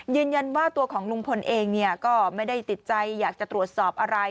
ยืนยันว่าตัวของลุงพลเองก็ไม่ได้ติดใจอยากจะตรวจสอบอะไร